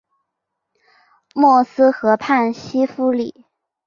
默斯河畔西夫里。